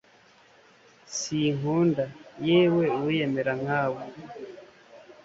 sinkunda, yewe uwiyemera nkawe